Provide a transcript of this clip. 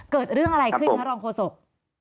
เกิดเรื่องอะไรขึ้นพระรองโฆษกครับผม